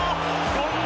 権田！